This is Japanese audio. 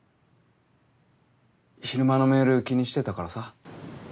昼間のメール気にしてたからさ。